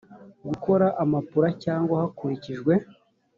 gukora amapula cyangwa hakurikijwe